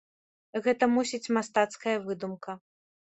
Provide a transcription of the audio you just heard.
Гэта, мусіць, мастацкая выдумка.